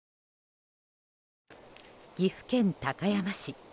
岐阜県高山市。